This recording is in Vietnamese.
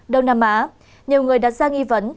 đông nam á nhiều người đã ra nghi vấn